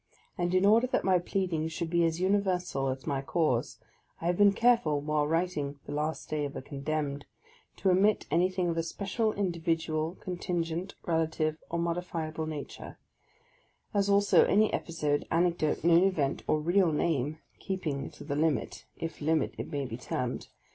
And in order that my pleadings should be as universal as my cause, I have been careful, while writing " The Last Day of a Condemned," to omit any thing of a special, individual, con tingent, relative, or modifiable nature, as also any episode, anecdote, known event, or real name, — keeping to the limit (if " limit " it may be termed!